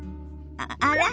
あら？